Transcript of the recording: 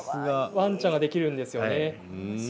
わんちゃんができるんですよね。